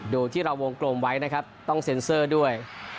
ที่เราวงกลมไว้นะครับต้องเซ็นเซอร์ด้วย